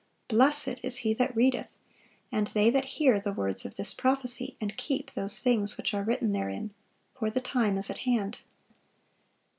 Blessed is he that readeth, and they that hear the words of this prophecy, and keep those things which are written therein: for the time is at hand."